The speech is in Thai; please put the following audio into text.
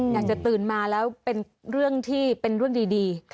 ตื่นมาแล้วเป็นเรื่องที่เป็นเรื่องดี